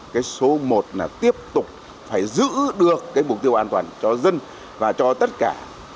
cái số một là tiếp tục phải giữ được cái mục tiêu an toàn cho dân và cho tất cả